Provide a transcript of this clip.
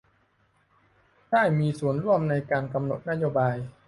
ได้มีส่วนร่วมในการกำหนดนโยบาย